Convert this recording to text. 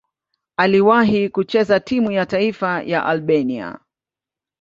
Aliwahi kucheza timu ya taifa ya Albania.